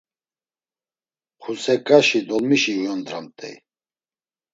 Xuseǩaşi dolmişi uyondramt̆ey.